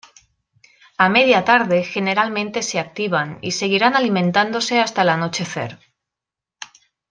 A media tarde, generalmente se activan, y seguirán alimentándose hasta el anochecer.